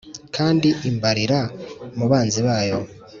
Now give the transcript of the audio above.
kandi imbarira mu banzi bayo